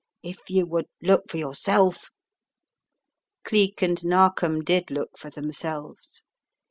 If you would look for your self " Cleek and Narkom did look for themselves.